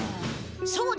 そうだ。